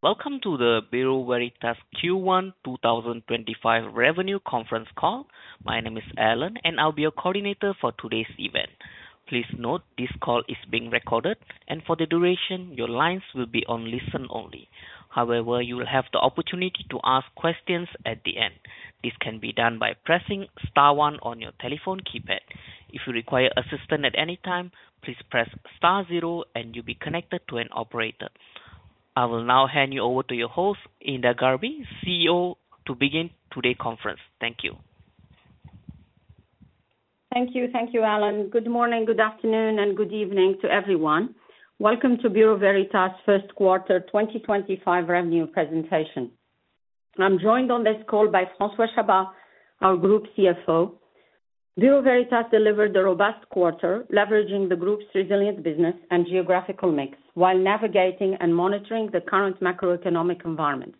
Welcome to the Bureau Veritas Q1 2025 Revenue Conference Call. My name is Allan, and I'll be your coordinator for today's event. Please note this call is being recorded, and for the duration, your lines will be on listen only. However, you will have the opportunity to ask questions at the end. This can be done by pressing star one on your telephone keypad. If you require assistance at any time, please press star zero, and you'll be connected to an operator. I will now hand you over to your host, Hinda Gharbi, CEO, to begin today's conference. Thank you. Thank you. Thank you, Allan. Good morning, good afternoon, and good evening to everyone. Welcome to Bureau Veritas' First Quarter 2025 Revenue Presentation. I'm joined on this call by François Chabas, our Group CFO. Bureau Veritas delivered a robust quarter, leveraging the group's resilient business and geographical mix while navigating and monitoring the current macroeconomic environment.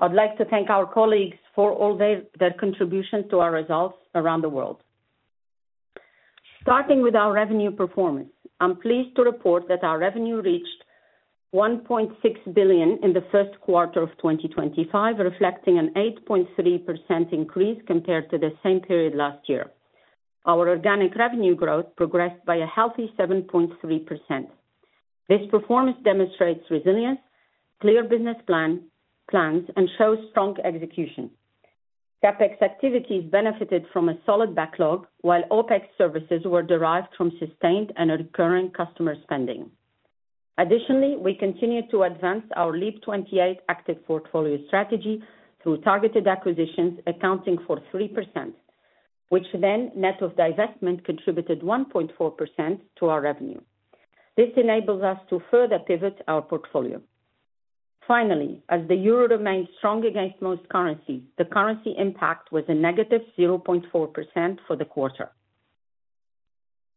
I'd like to thank our colleagues for all their contributions to our results around the world. Starting with our revenue performance, I'm pleased to report that our revenue reached 1.6 billion in the first quarter of 2025, reflecting an 8.3% increase compared to the same period last year. Our organic revenue growth progressed by a healthy 7.3%. This performance demonstrates resilience, clear business plans, and shows strong execution. CapEx activities benefited from a solid backlog, while OpEx services were derived from sustained and recurring customer spending. Additionally, we continued to advance our LEAP|28 active portfolio strategy through targeted acquisitions, accounting for 3%, which then net of divestment contributed 1.4% to our revenue. This enables us to further pivot our portfolio. Finally, as the euro remained strong against most currencies, the currency impact was a negative 0.4% for the quarter.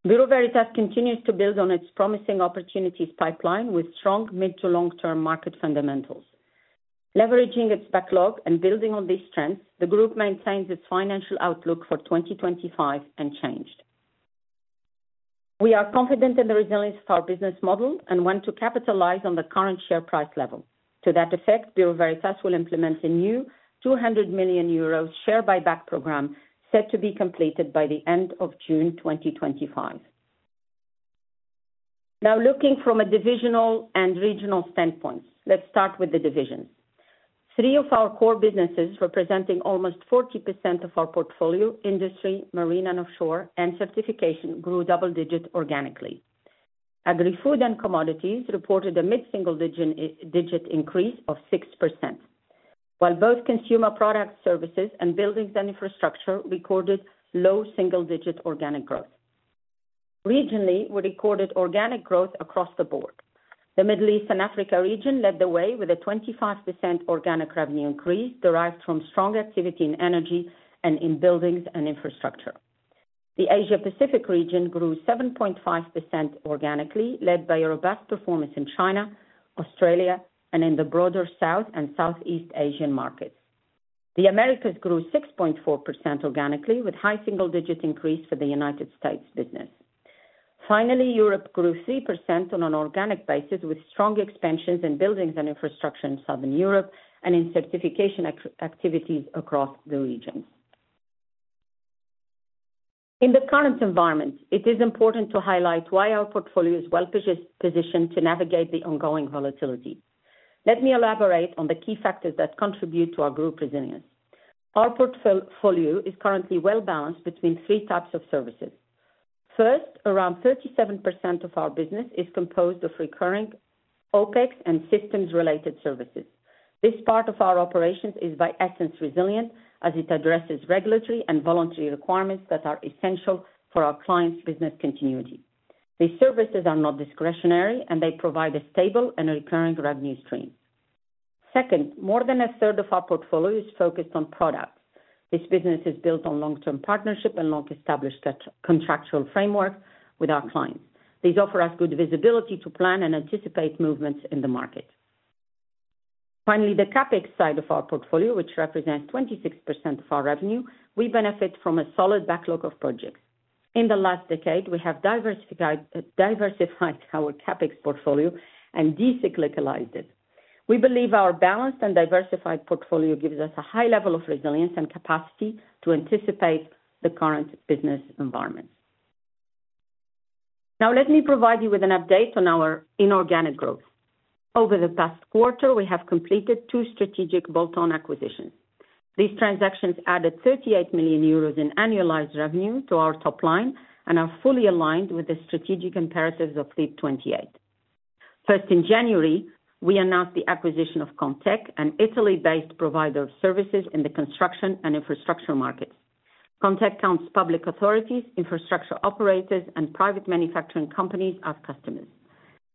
Bureau Veritas continues to build on its promising opportunities pipeline with strong mid to long-term market fundamentals. Leveraging its backlog and building on these strengths, the group maintains its financial outlook for 2025 unchanged. We are confident in the resilience of our business model and want to capitalize on the current share price level. To that effect, Bureau Veritas will implement a new 200 million euros share buyback program set to be completed by the end of June 2025. Now, looking from a divisional and regional standpoint, let's start with the divisions. Three of our core businesses, representing almost 40% of our portfolio, Industry, Marine and Offshore, and Certification, grew double-digit organically. Agri-Food & Commodities reported a mid-single-digit increase of 6%, while both Consumer Products Services, and Buildings & Infrastructure recorded low single-digit organic growth. Regionally, we recorded organic growth across the board. The Middle East and Africa region led the way with a 25% organic revenue increase derived from strong activity in energy and in Buildings & Infrastructure. The Asia-Pacific region grew 7.5% organically, led by a robust performance in China, Australia, and in the broader South and Southeast Asian markets. The Americas grew 6.4% organically, with a high single-digit increase for the United States business. Finally, Europe grew 3% on an organic basis, with strong expansions in Buildings & Infrastructure in Southern Europe and in Certification activities across the region. In the current environment, it is important to highlight why our portfolio is well positioned to navigate the ongoing volatility. Let me elaborate on the key factors that contribute to our group resilience. Our portfolio is currently well balanced between three types of services. First, around 37% of our business is composed of recurring OpEx and systems-related services. This part of our operations is, by essence, resilient, as it addresses regulatory and voluntary requirements that are essential for our clients' business continuity. These services are not discretionary, and they provide a stable and recurring revenue stream. Second, more than a third of our portfolio is focused on products. This business is built on long-term partnership and long-established contractual frameworks with our clients. These offer us good visibility to plan and anticipate movements in the market. Finally, the CapEx side of our portfolio, which represents 26% of our revenue, we benefit from a solid backlog of projects. In the last decade, we have diversified our CapEx portfolio and decyclicalized it. We believe our balanced and diversified portfolio gives us a high level of resilience and capacity to anticipate the current business environment. Now, let me provide you with an update on our inorganic growth. Over the past quarter, we have completed two strategic bolt-on acquisitions. These transactions added 38 million euros in annualized revenue to our top line and are fully aligned with the strategic imperatives of LEAP|28. First, in January, we announced the acquisition of Contec, an Italy-based provider of services in the construction and infrastructure markets. Contec counts public authorities, infrastructure operators, and private manufacturing companies as customers.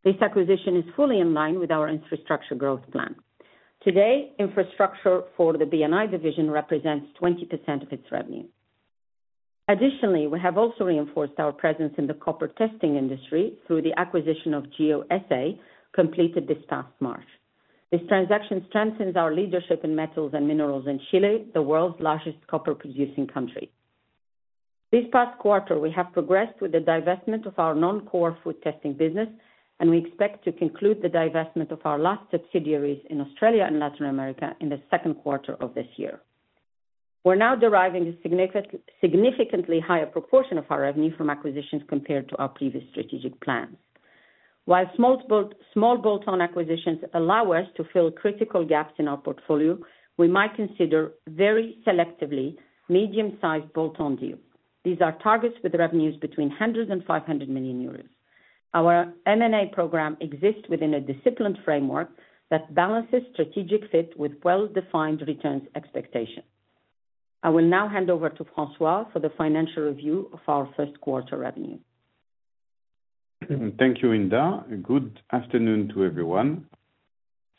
This acquisition is fully in line with our infrastructure growth plan. Today, infrastructure for the BNI division represents 20% of its revenue. Additionally, we have also reinforced our presence in the copper testing industry through the acquisition of GeoAssay, completed this past March. This transaction strengthens our leadership in Metals & Minerals in Chile, the world's largest copper-producing country. This past quarter, we have progressed with the divestment of our non-core food testing business, and we expect to conclude the divestment of our last subsidiaries in Australia and Latin America in the second quarter of this year. We're now deriving a significantly higher proportion of our revenue from acquisitions compared to our previous strategic plans. While small bolt-on acquisitions allow us to fill critical gaps in our portfolio, we might consider very selectively medium-sized bolt-on deals. These are targets with revenues between 100 million and 500 million euros. Our M&A program exists within a disciplined framework that balances strategic fit with well-defined returns expectations. I will now hand over to François for the financial review of our first quarter revenue. Thank you, Hinda. Good afternoon to everyone.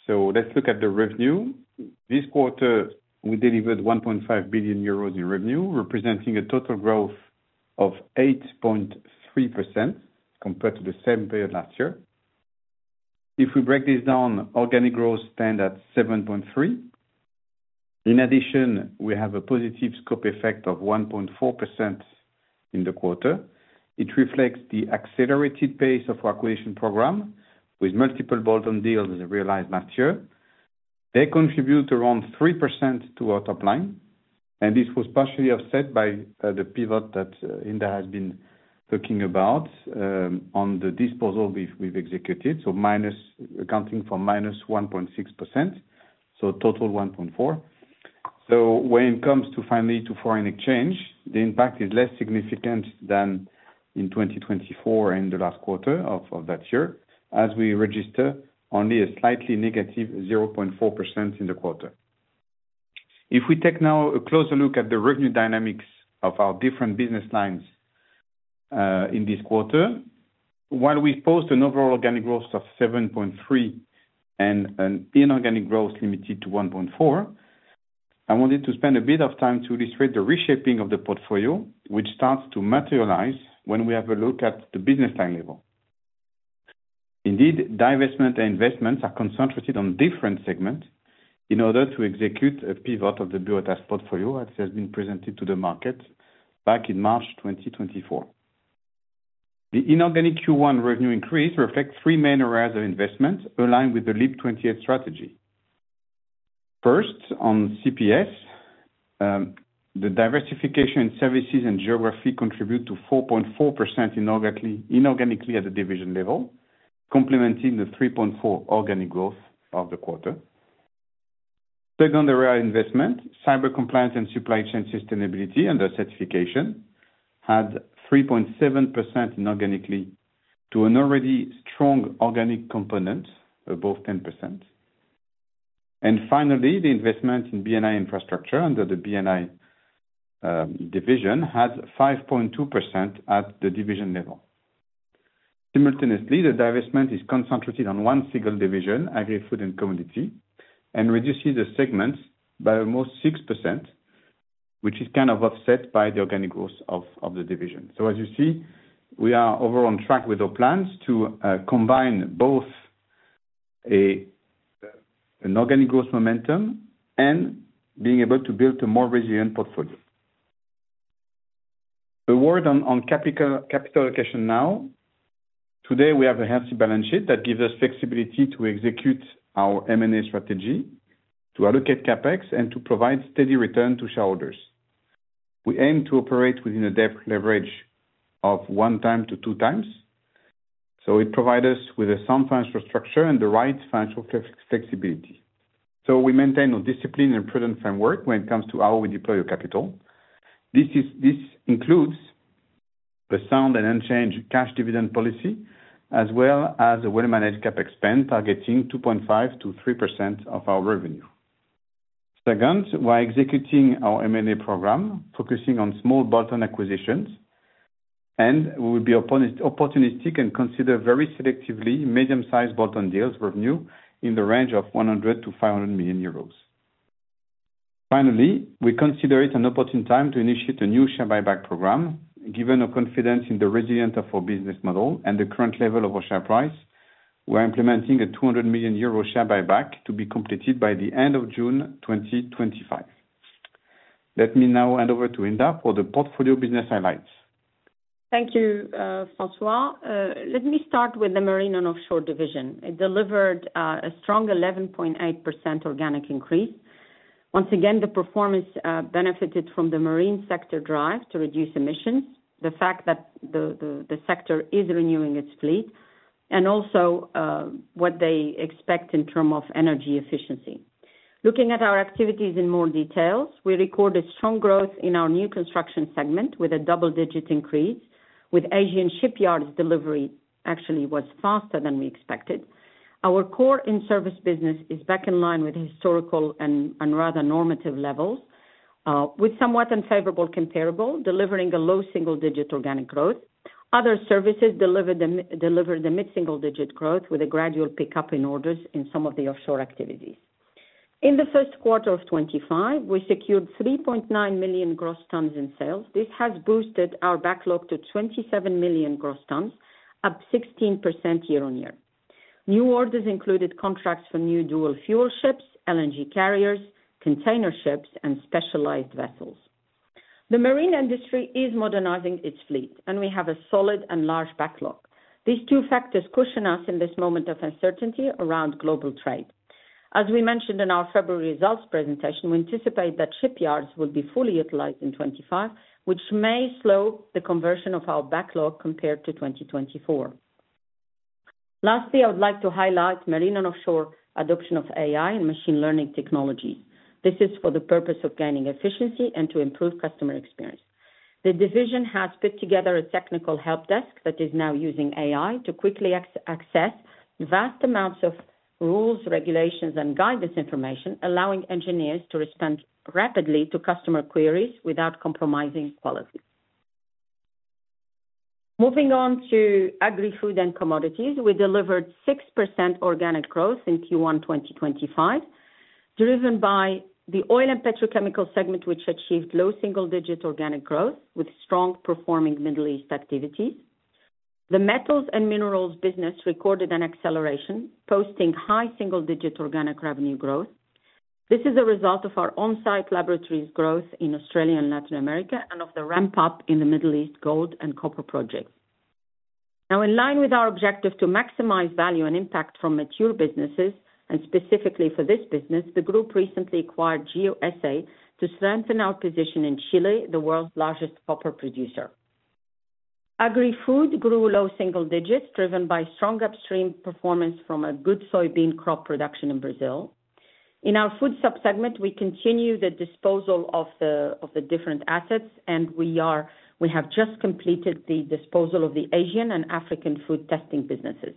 Let's look at the revenue. This quarter, we delivered 1.5 billion euros in revenue, representing a total growth of 8.3% compared to the same period last year. If we break this down, organic growth stands at 7.3%. In addition, we have a positive scope effect of 1.4% in the quarter. It reflects the accelerated pace of our acquisition program, with multiple bolt-on deals realized last year. They contribute around 3% to our top line, and this was partially offset by the pivot that Hinda has been talking about on the disposal we've executed, accounting for -1.6%, so total 1.4%. When it comes to, finally, foreign exchange, the impact is less significant than in 2024 and the last quarter of that year, as we register only a slightly -0.4% in the quarter. If we take now a closer look at the revenue dynamics of our different business lines in this quarter, while we post an overall organic growth of 7.3% and an inorganic growth limited to 1.4%, I wanted to spend a bit of time to illustrate the reshaping of the portfolio, which starts to materialize when we have a look at the business line level. Indeed, divestment and investments are concentrated on different segments in order to execute a pivot of the Bureau Veritas portfolio, as it has been presented to the market back in March 2024. The inorganic Q1 revenue increase reflects three main areas of investment aligned with the LEAP|28 strategy. First, on CPS, the diversification in services and geography contributes to 4.4% inorganically at the division level, complementing the 3.4% organic growth of the quarter. Second, the area of investment, cyber compliance and supply chain sustainability under Certification, had 3.7% inorganically to an already strong organic component above 10%. Finally, the investment in BNI infrastructure under the BNI division had 5.2% at the division level. Simultaneously, the divestment is concentrated on one single division, Agri-Food & Commodities, and reduces the segments by almost 6%, which is kind of offset by the organic growth of the division. As you see, we are over on track with our plans to combine both an organic growth momentum and being able to build a more resilient portfolio. A word on capital allocation now. Today, we have a healthy balance sheet that gives us flexibility to execute our M&A strategy, to allocate CapEx, and to provide steady returns to shareholders. We aim to operate within a debt leverage of one time to two times. It provides us with a sound financial structure and the right financial flexibility. We maintain a disciplined and prudent framework when it comes to how we deploy our capital. This includes a sound and unchanged cash dividend policy, as well as a well-managed CapEx spend targeting 2.5%-3% of our revenue. Second, while executing our M&A program, focusing on small bolt-on acquisitions, we will be opportunistic and consider very selectively medium-sized bolt-on deals, revenue in the range of 100 million-500 million euros. Finally, we consider it an opportune time to initiate a new share buyback program. Given our confidence in the resilience of our business model and the current level of our share price, we're implementing a 200 million euro share buyback to be completed by the end of June 2025. Let me now hand over to Hinda for the portfolio business highlights. Thank you, François. Let me start with the Marine & Offshore division. It delivered a strong 11.8% organic increase. Once again, the performance benefited from the marine sector drive to reduce emissions, the fact that the sector is renewing its fleet, and also what they expect in terms of energy efficiency. Looking at our activities in more detail, we recorded strong growth in our new Construction segment with a double-digit increase, with Asian shipyards delivery actually faster than we expected. Our core In-Service business is back in line with historical and rather normative levels, with somewhat unfavorable comparable, delivering a low single-digit organic growth. Other services delivered the mid-single-digit growth with a gradual pickup in orders in some of the offshore activities. In the first quarter of 2025, we secured 3.9 million gross tons in sales. This has boosted our backlog to 27 million gross tons, up 16% year on year. New orders included contracts for new dual-fuel ships, LNG carriers, container ships, and specialized vessels. The marine industry is modernizing its fleet, and we have a solid and large backlog. These two factors cushion us in this moment of uncertainty around global trade. As we mentioned in our February results presentation, we anticipate that shipyards will be fully utilized in 2025, which may slow the conversion of our backlog compared to 2024. Lastly, I would like to highlight marine and offshore adoption of AI and machine learning technologies. This is for the purpose of gaining efficiency and to improve customer experience. The division has put together a technical help desk that is now using AI to quickly access vast amounts of rules, regulations, and guidance information, allowing engineers to respond rapidly to customer queries without compromising quality. Moving on to Agri-Food & Commodities, we delivered 6% organic growth in Q1 2025, driven by the Oil & Petrochemical segment, which achieved low single-digit organic growth with strong performing Middle East activities. The Metals & Minerals business recorded an acceleration, posting high single-digit organic revenue growth. This is a result of our on-site laboratories' growth in Australia and Latin America and of the ramp-up in the Middle East gold and copper projects. Now, in line with our objective to maximize value and impact from mature businesses, and specifically for this business, the group recently acquired GeoAssay to strengthen our position in Chile, the world's largest copper producer. Agri-Food grew low single digits, driven by strong upstream performance from a good soybean crop production in Brazil. In our food subsegment, we continue the disposal of the different assets, and we have just completed the disposal of the Asian and African food testing businesses.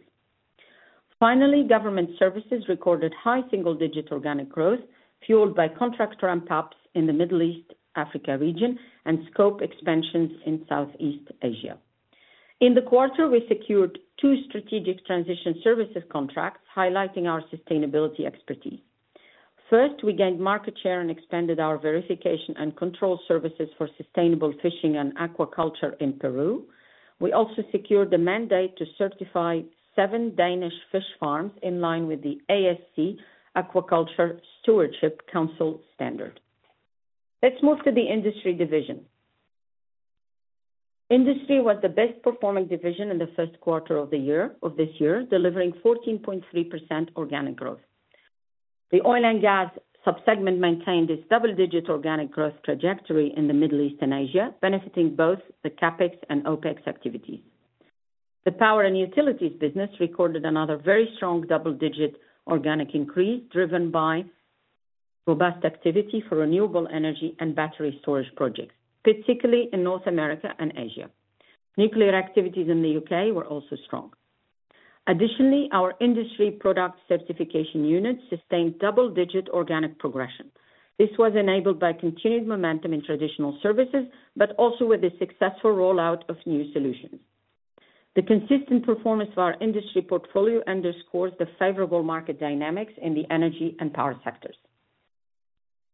Finally, Government Services recorded high single-digit organic growth, fueled by contract ramp-ups in the Middle East/Africa region and scope expansions in Southeast Asia. In the quarter, we secured two strategic transition services contracts, highlighting our sustainability expertise. First, we gained market share and expanded our verification and control services for sustainable fishing and aquaculture in Peru. We also secured the mandate to certify seven Danish fish farms in line with the ASC (Aquaculture Stewardship Council) standard. Let's move to the Industry division. Industry was the best-performing division in the first quarter of this year, delivering 14.3% organic growth. The Oil & Gas subsegment maintained its double-digit organic growth trajectory in the Middle East and Asia, benefiting both the CapEx and OpEx activities. The Power & Utilities business recorded another very strong double-digit organic increase, driven by robust activity for renewable energy and battery storage projects, particularly in North America and Asia. Nuclear activities in the U.K. were also strong. Additionally, our Industry Product Certification units sustained double-digit organic progression. This was enabled by continued momentum in traditional services, but also with the successful rollout of new solutions. The consistent performance of our Industry portfolio underscores the favorable market dynamics in the energy and power sectors.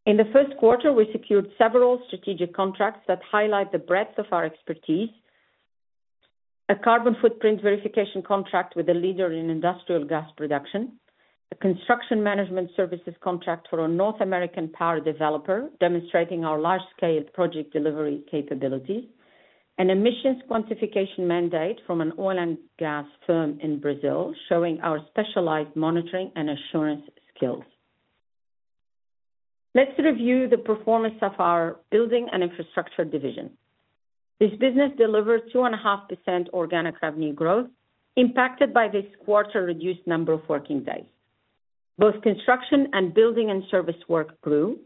In the first quarter, we secured several strategic contracts that highlight the breadth of our expertise: a carbon footprint verification contract with a leader in industrial gas production, a construction management services contract for a North American power developer, demonstrating our large-scale project delivery capabilities, and an emissions quantification mandate from an Oil & Gas firm in Brazil, showing our specialized monitoring and assurance skills. Let's review the performance of our Buildings & Infrastructure division. This business delivered 2.5% organic revenue growth, impacted by this quarter reduced number of working days. Both construction and building and service work grew,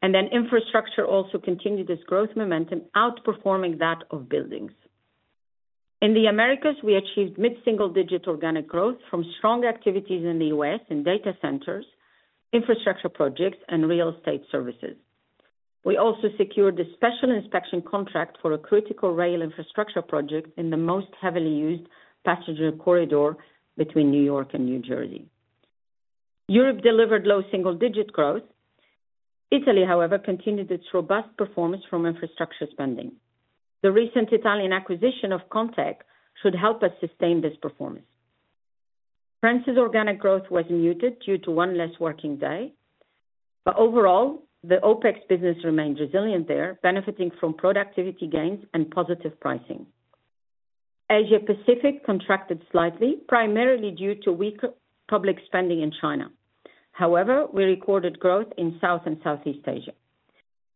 and infrastructure also continued its growth momentum, outperforming that of buildings. In the Americas, we achieved mid-single-digit organic growth from strong activities in the U.S. in data centers, infrastructure projects, and real estate services. We also secured the special inspection contract for a critical rail infrastructure project in the most heavily used passenger corridor between New York and New Jersey. Europe delivered low single-digit growth. Italy, however, continued its robust performance from infrastructure spending. The recent Italian acquisition of Contec should help us sustain this performance. France's organic growth was muted due to one less working day, but overall, the OpEx business remained resilient there, benefiting from productivity gains and positive pricing. Asia-Pacific contracted slightly, primarily due to weaker public spending in China. However, we recorded growth in South and Southeast Asia.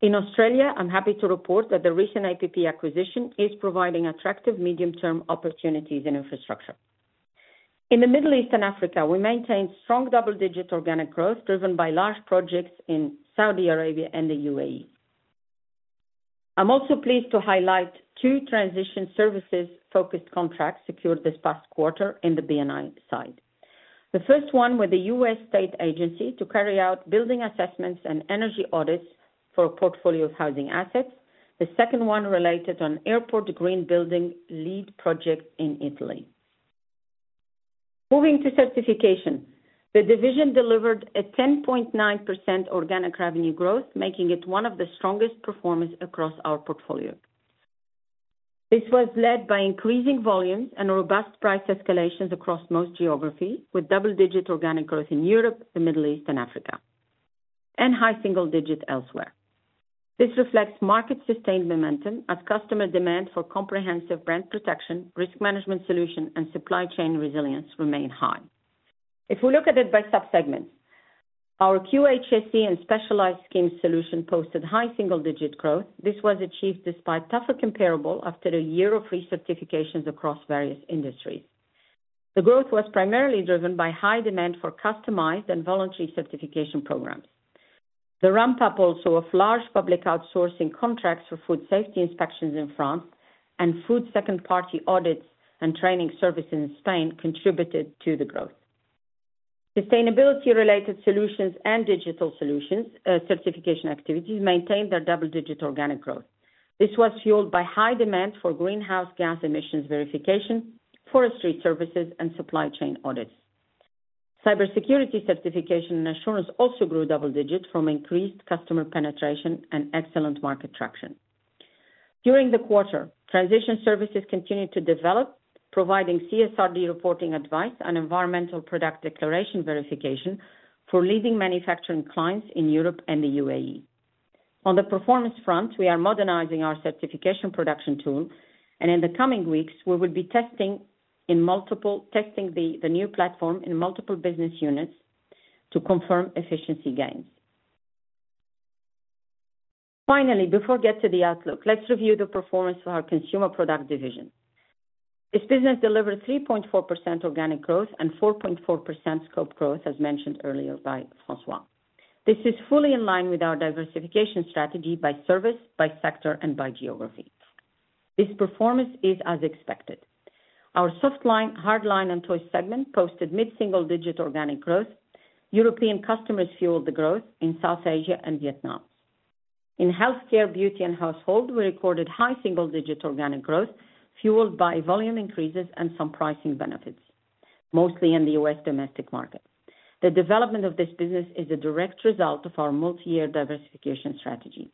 In Australia, I'm happy to report that the recent APP acquisition is providing attractive medium-term opportunities in Infrastructure. In the Middle East and Africa, we maintained strong double-digit organic growth, driven by large projects in Saudi Arabia and the UAE. I'm also pleased to highlight two transition services-focused contracts secured this past quarter in the BNI side. The first one with a U.S. state agency to carry out building assessments and energy audits for a portfolio of housing assets. The second one related to an airport green building LEED project in Italy. Moving to Certification, the division delivered a 10.9% organic revenue growth, making it one of the strongest performers across our portfolio. This was led by increasing volumes and robust price escalations across most geographies, with double-digit organic growth in Europe, the Middle East, and Africa, and high single-digit elsewhere. This reflects market-sustained momentum as customer demand for comprehensive brand protection, risk management solutions, and supply chain resilience remains high. If we look at it by subsegments, our QHSE and specialized scheme solution posted high single-digit growth. This was achieved despite tougher comparable after a year of recertifications across various industries. The growth was primarily driven by high demand for customized and voluntary certification programs. The ramp-up also of large public outsourcing contracts for food safety inspections in France and food second-party audits and training services in Spain contributed to the growth. Sustainability-related solutions and digital solutions certification activities maintained their double-digit organic growth. This was fueled by high demand for greenhouse gas emissions verification, forestry services, and supply chain audits. Cybersecurity certification and assurance also grew double-digit from increased customer penetration and excellent market traction. During the quarter, transition services continued to develop, providing CSRD reporting advice and environmental product declaration verification for leading manufacturing clients in Europe and the UAE. On the performance front, we are modernizing our Certification production tool, and in the coming weeks, we will be testing the new platform in multiple business units to confirm efficiency gains. Finally, before we get to the outlook, let's review the performance of our Consumer Products division. This business delivered 3.4% organic growth and 4.4% scope growth, as mentioned earlier by François. This is fully in line with our diversification strategy by service, by sector, and by geography. This performance is as expected. Our Softline, Hardline, and Toy segment posted mid-single-digit organic growth. European customers fueled the growth in South Asia and Vietnam. In Healthcare, Beauty, and Household, we recorded high single-digit organic growth, fueled by volume increases and some pricing benefits, mostly in the U.S. domestic market. The development of this business is a direct result of our multi-year diversification strategy.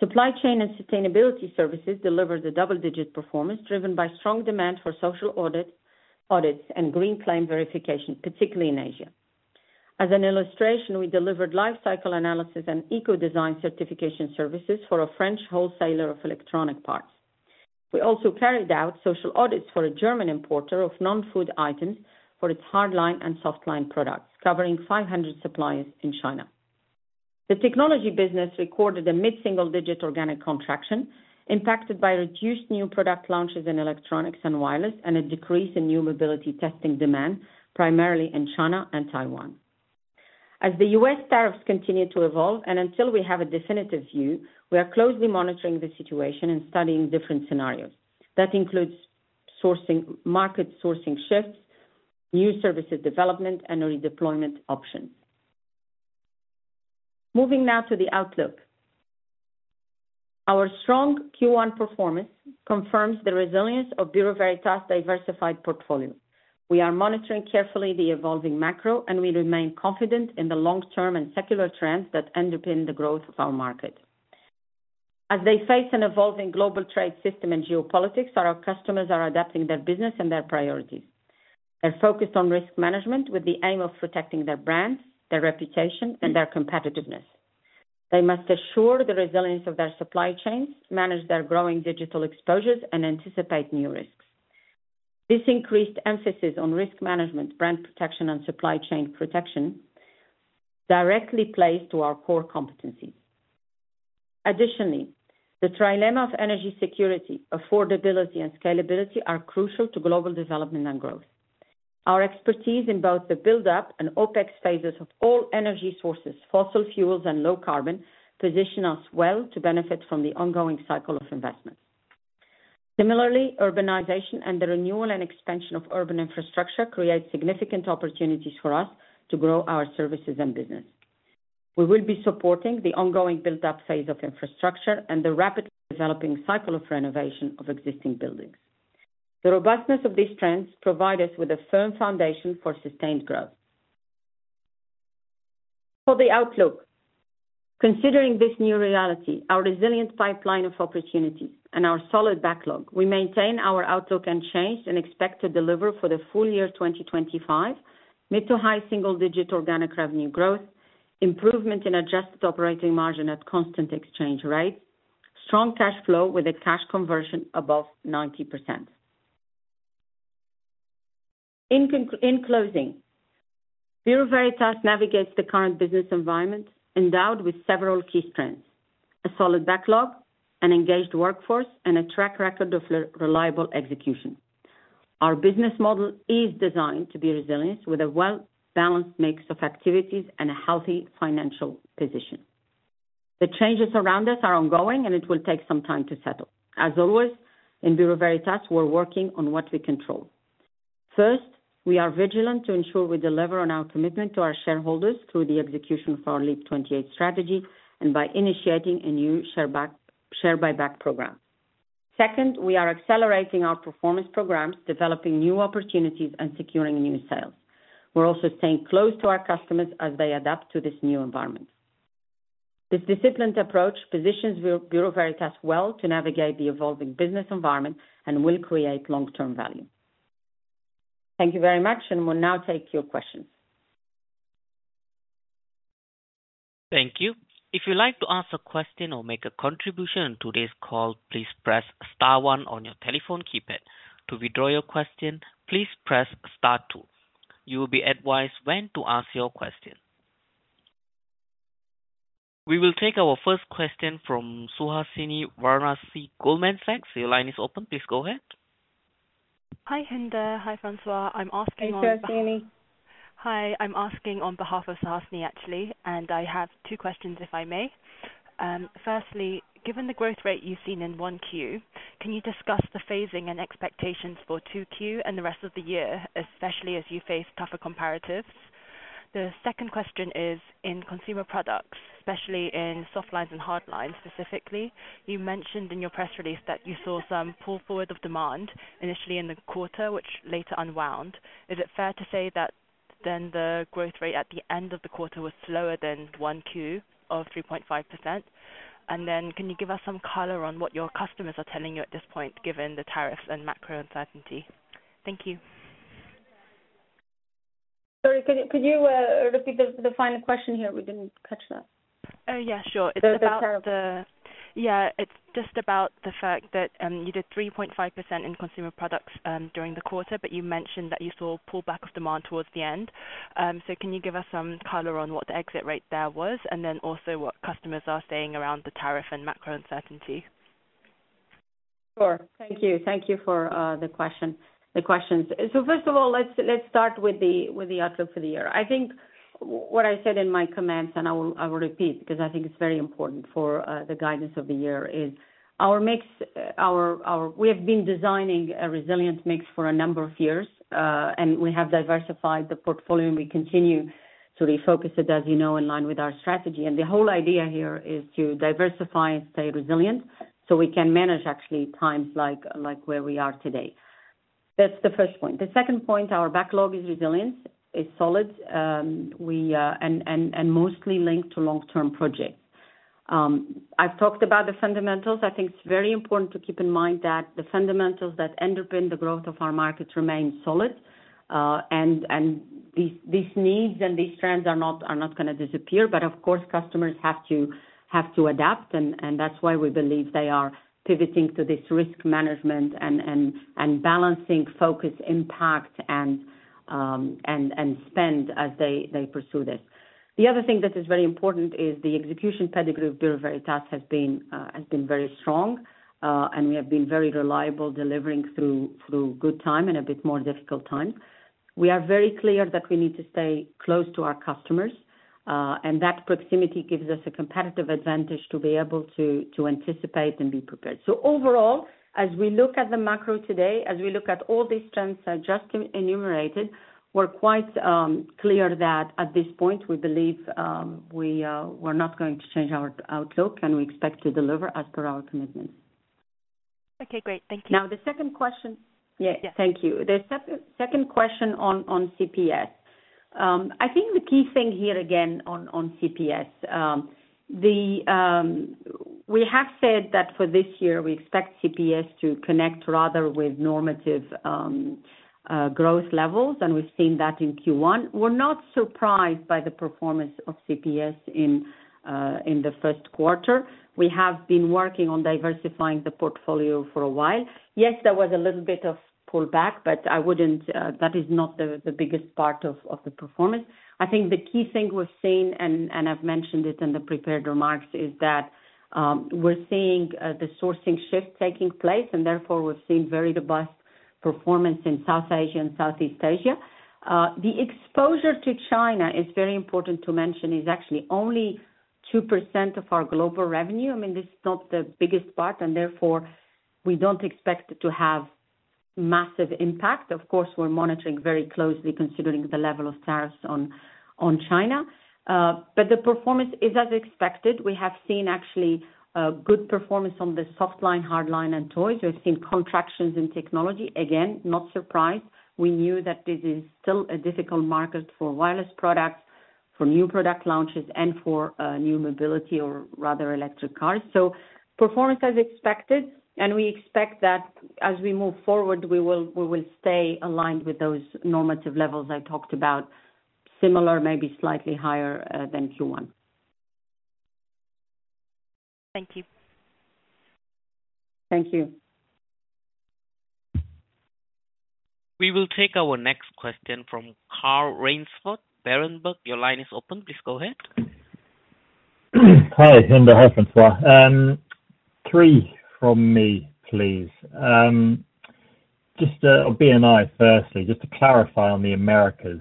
Supply Chain and Sustainability services delivered the double-digit performance, driven by strong demand for social audits and green claim verification, particularly in Asia. As an illustration, we delivered life cycle analysis and eco-design certification services for a French wholesaler of electronic parts. We also carried out social audits for a German importer of non-food items for its Hardline and Softline products, covering 500 suppliers in China. The Technology business recorded a mid-single-digit organic contraction, impacted by reduced new product launches in electronics and wireless, and a decrease in new mobility testing demand, primarily in China and Taiwan. As the U.S. tariffs continue to evolve, and until we have a definitive view, we are closely monitoring the situation and studying different scenarios. That includes market sourcing shifts, new services development, and redeployment options. Moving now to the outlook. Our strong Q1 performance confirms the resilience of Bureau Veritas' diversified portfolio. We are monitoring carefully the evolving macro, and we remain confident in the long-term and secular trends that underpin the growth of our market. As they face an evolving global trade system and geopolitics, our customers are adapting their business and their priorities. They're focused on risk management with the aim of protecting their brand, their reputation, and their competitiveness. They must assure the resilience of their supply chains, manage their growing digital exposures, and anticipate new risks. This increased emphasis on risk management, brand protection, and supply chain protection directly plays to our core competencies. Additionally, the trilemma of energy security, affordability, and scalability are crucial to global development and growth. Our expertise in both the build-up and OpEx phases of all energy sources, fossil fuels, and low carbon position us well to benefit from the ongoing cycle of investments. Similarly, urbanization and the renewal and expansion of urban infrastructure create significant opportunities for us to grow our services and business. We will be supporting the ongoing build-up phase of infrastructure and the rapidly developing cycle of renovation of existing buildings. The robustness of these trends provides us with a firm foundation for sustained growth. For the outlook, considering this new reality, our resilient pipeline of opportunities, and our solid backlog, we maintain our outlook unchanged and expect to deliver for the full year 2025 mid to high single-digit organic revenue growth, improvement in adjusted operating margin at constant exchange rates, strong cash flow with a cash conversion above 90%. In closing, Bureau Veritas navigates the current business environment endowed with several key strengths: a solid backlog, an engaged workforce, and a track record of reliable execution. Our business model is designed to be resilient with a well-balanced mix of activities and a healthy financial position. The changes around us are ongoing, and it will take some time to settle. As always, in Bureau Veritas, we're working on what we control. First, we are vigilant to ensure we deliver on our commitment to our shareholders through the execution of our LEAP|28 strategy and by initiating a new share buyback program. Second, we are accelerating our performance programs, developing new opportunities, and securing new sales. We're also staying close to our customers as they adapt to this new environment. This disciplined approach positions Bureau Veritas well to navigate the evolving business environment and will create long-term value. Thank you very much, and we'll now take your questions. Thank you. If you'd like to ask a question or make a contribution on today's call, please press star one on your telephone keypad. To withdraw your question, please press star two. You will be advised when to ask your question. We will take our first question from Suhasini Varanasi Goldman Sachs. Your line is open. Please go ahead. Hi, Hinda. Hi, François. I'm asking on behalf of. Hi Suhasini. Hi. I'm asking on behalf of Suhasini, actually, and I have two questions, if I may. Firstly, given the growth rate you've seen in 1Q, can you discuss the phasing and expectations for 2Q and the rest of the year, especially as you face tougher comparatives? The second question is, in Consumer products, especially in Softlines and Hardlines specifically, you mentioned in your press release that you saw some pull forward of demand initially in the quarter, which later unwound. Is it fair to say that then the growth rate at the end of the quarter was slower than 1Q of 3.5%? And then, can you give us some color on what your customers are telling you at this point, given the tariffs and macro uncertainty? Thank you. Sorry, could you repeat the final question here? We did not catch that. Yeah, sure. It is about the. Yeah, it is just about the fact that you did 3.5% in consumer products during the quarter, but you mentioned that you saw pullback of demand towards the end. Can you give us some color on what the exit rate there was, and then also what customers are saying around the tariff and macro uncertainty? Sure. Thank you. Thank you for the questions. First of all, let's start with the outlook for the year. I think what I said in my comments, and I will repeat because I think it's very important for the guidance of the year end. We have been designing a resilient mix for a number of years, and we have diversified the portfolio, and we continue to refocus it, as you know, in line with our strategy. The whole idea here is to diversify and stay resilient so we can manage, actually, times like where we are today. That's the first point. The second point, our backlog is resilient, is solid, and mostly linked to long-term projects. I've talked about the fundamentals. I think it's very important to keep in mind that the fundamentals that underpin the growth of our markets remain solid, and these needs and these trends are not going to disappear. Of course, customers have to adapt, and that's why we believe they are pivoting to this risk management and balancing focus, impact, and spend as they pursue this. The other thing that is very important is the execution pedigree of Bureau Veritas has been very strong, and we have been very reliable, delivering through good time and a bit more difficult time. We are very clear that we need to stay close to our customers, and that proximity gives us a competitive advantage to be able to anticipate and be prepared. Overall, as we look at the macro today, as we look at all these trends I just enumerated, we're quite clear that at this point, we believe we're not going to change our outlook, and we expect to deliver as per our commitments. Okay, great. Thank you. Now, the second question. Yeah, thank you. The second question on CPS. I think the key thing here, again, on CPS, we have said that for this year, we expect CPS to connect rather with normative growth levels, and we've seen that in Q1. We're not surprised by the performance of CPS in the first quarter. We have been working on diversifying the portfolio for a while. Yes, there was a little bit of pullback, but that is not the biggest part of the performance. I think the key thing we've seen, and I've mentioned it in the prepared remarks, is that we're seeing the sourcing shift taking place, and therefore, we've seen very robust performance in South Asia and Southeast Asia. The exposure to China, it's very important to mention, is actually only 2% of our global revenue. I mean, this is not the biggest part, and therefore, we don't expect it to have massive impact. Of course, we're monitoring very closely considering the level of tariffs on China. The performance is as expected. We have seen, actually, good performance on the Softline, Hardline, and Toys. We've seen contractions in technology. Again, not surprised. We knew that this is still a difficult market for wireless products, for new product launches, and for new mobility or rather electric cars. Performance as expected, and we expect that as we move forward, we will stay aligned with those normative levels I talked about, similar, maybe slightly higher than Q1. Thank you. Thank you. We will take our next question from Carl Raynsford, Berenberg. Your line is open. Please go ahead. Hi, Hinda. Hi, François. Three from me, please. Just a BNI firstly, just to clarify on the Americas.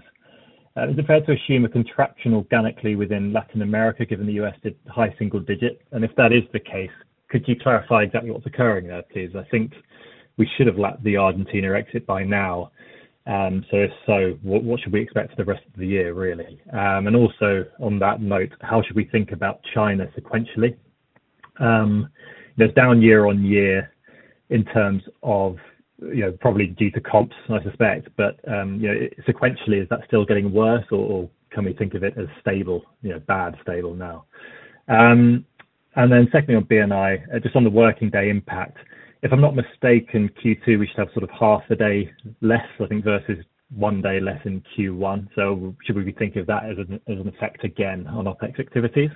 Is it fair to assume a contraction organically within Latin America, given the U.S. did high single digit? If that is the case, could you clarify exactly what's occurring there, please? I think we should have lapped the Argentina exit by now. If so, what should we expect for the rest of the year, really? Also, on that note, how should we think about China sequentially? There's down year on year in terms of probably due to comps, I suspect. Sequentially, is that still getting worse, or can we think of it as stable, bad, stable now? Secondly, on BNI, just on the working day impact, if I'm not mistaken, Q2, we should have sort of half a day less, I think, versus one day less in Q1. Should we be thinking of that as an effect again on OpEx activities?